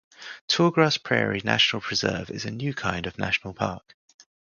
Tallgrass Prairie National Preserve is a new kind of national park.